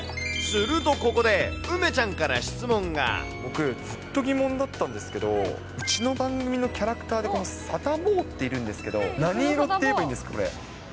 すると、ここで梅ちゃんから僕、ずっと疑問だったんですけど、うちの番組のキャラクターで、サタボーっているんですけど、何色って言えばいいんですか、これ。